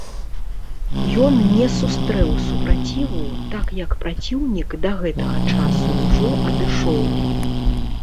Ён не сустрэў супраціву, так як праціўнік да гэтага часу ўжо адышоў.